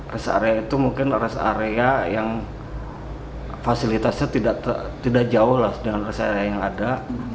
res area itu mungkin res area yang fasilitasnya tidak jauh dengan res area yang ada